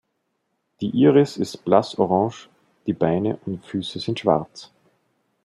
Die Iris ist blass orange, die Beine und Füße sind schwarz.